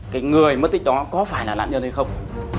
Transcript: cái người mất tích đó có phải là nạn nhân hay không